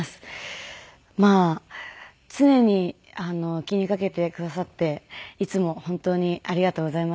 まあ常に気にかけてくださっていつも本当にありがとうございます。